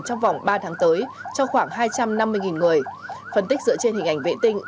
trong vòng ba tháng tới cho khoảng hai trăm năm mươi người phân tích dựa trên hình ảnh vệ tinh